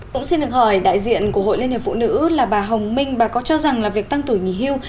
cũng xin được hỏi đại diện của hội liên hiệp phụ nữ là bà hồng minh bà có cho rằng là việc tăng tuổi nghỉ hưu